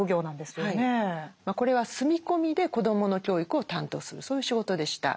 これは住み込みで子どもの教育を担当するそういう仕事でした。